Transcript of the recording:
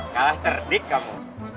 kalah cerdik kamu